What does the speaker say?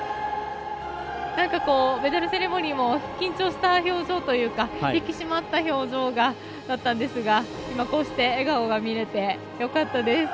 メダルセレモニーも緊張した表情というか引き締まった表情だったんですが今、こうして笑顔が見れてよかったです。